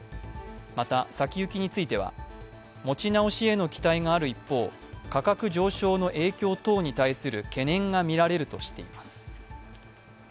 また、先行きについては、持ち直しへの期待がある一方価格上昇の影響等に対する懸念がみられるとしています。